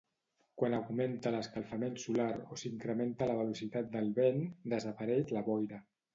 Quan augmenta l'escalfament solar o s'incrementa la velocitat del vent, desapareix la boira.